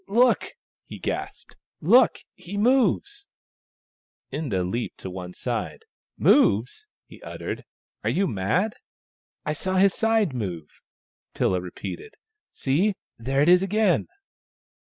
" Look !" he gasped. " Look ! He moves !" Inda leaped to one side. " Moves !" he uttered. " Are you mad ?"" I saw his side move," Pilla repeated. " See — there it is again